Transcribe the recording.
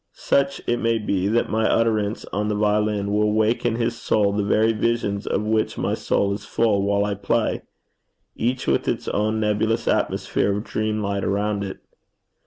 such, it may be, that my utterance on the violin will wake in his soul the very visions of which my soul is full while I play, each with its own nebulous atmosphere of dream light around it.'